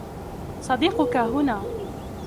صديقك هنا.